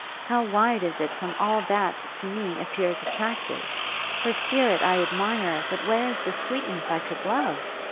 How wide is it from all that, to me, appears attractive! Her spirit I admire; but where is the sweetness I could love?